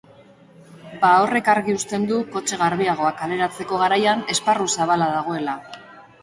Bada, horrek argi uzten du kotxe garbiagoak kaleratzeko garaian esparru zabala dagoela.